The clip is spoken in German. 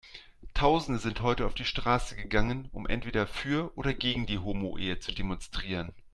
Tausende sind heute auf die Straße gegangen, um entweder für oder gegen die Homoehe zu demonstrieren.